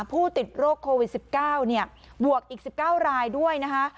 ผู้ติดโรคโควิด๑๙บวกอีก๑๙รายด้วยนะคะ